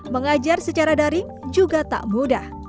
mengajar secara daring juga tak mudah